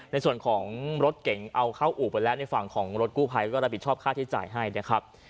ในส่วนของรถเก๋งเอาเข้าอู่ไปแล้วในฝั่งของรถกู้ภัยก็รับผิดชอบค่าที่จ่ายให้นะครับ